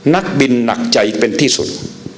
นักบินหนักใจเป็นที่สุด